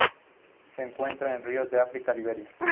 Se encuentran en ríos de África: Liberia.